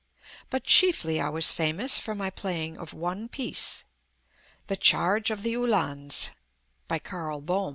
But chiefly I was famous for my playing of one piece: "The Charge of the Uhlans," by Karl Bohm.